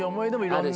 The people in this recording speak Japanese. あるし。